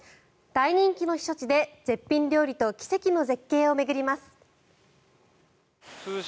大人気の避暑地で絶品料理と奇跡の絶景を巡ります。